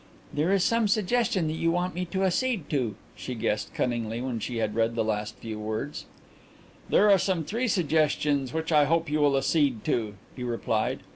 "There is some suggestion that you want me to accede to," she guessed cunningly when she had read the last few words. "There are some three suggestions which I hope you will accede to," he replied.